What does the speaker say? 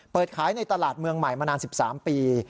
เปิดขายในตลาดเมืองใหม่มานาน๑๓ปี